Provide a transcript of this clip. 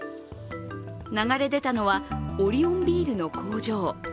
流れ出たのはオリオンビールの工場。